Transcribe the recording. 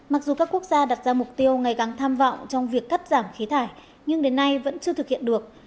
mặc dù các quốc gia đặt ra mục tiêu ngày càng tham vọng trong việc cắt giảm khí thải nhưng đến nay vẫn chưa thực hiện được